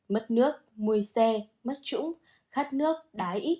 bảy mất nước mùi xe mất trũng khát nước đái ít